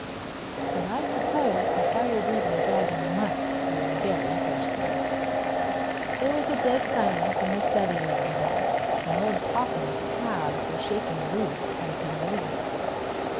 But I suppose a fire breathing Dragon must be very thirsty. There was a dead silence in the study overhead, and old Popham's calves were shaking loose as he waited.